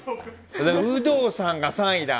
有働さんが３位だ。